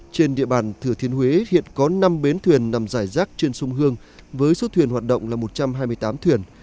trên địa bàn thừa thiên huế hiện có năm bến thuyền nằm rải rác trên sông hương với số thuyền hoạt động là một trăm hai mươi tám thuyền